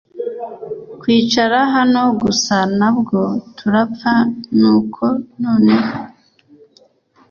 Kwicara hano gusa na bwo turapfa nuko noneho